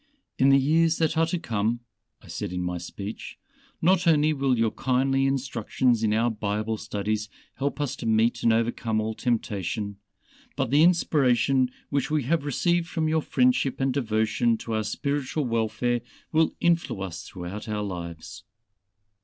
"In the years that are to come," I said in my speech, "not only will your kindly instructions in our Bible studies help us to meet and overcome all temptation, but the inspiration which we have received from your friendship and devotion to our spiritual welfare will influence us throughout our lives."